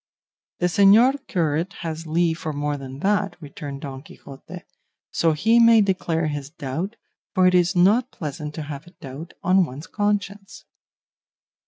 "The señor curate has leave for more than that," returned Don Quixote, "so he may declare his doubt, for it is not pleasant to have a doubt on one's conscience."